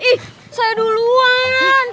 ih saya duluan